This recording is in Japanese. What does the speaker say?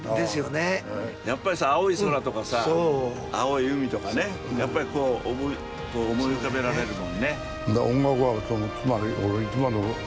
やっぱりさ、青い空とかさ、青い海とかね、やっぱりこう、思い浮かべられるもんね。